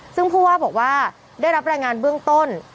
ซึ่งผู้ว่าบอกว่าได้รับรายงานเบื้องต้น